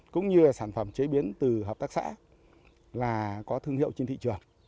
cũng như sản phẩm chế biến từ hợp tác xã là có thương hiệu trên thị trường